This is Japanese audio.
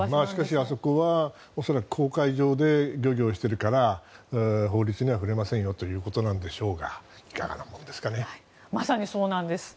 あそこは、恐らく公海上で漁業をしているから法律には触れませんよということなんでしょうがいかがなもんでしょうかね。